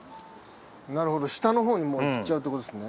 なるほど下のほうにもう行っちゃうってことですね。